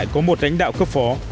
có một lãnh đạo cấp phó